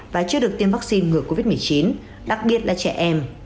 và chưa được tiêm vaccine ngừa covid một mươi chín đặc biệt là trẻ em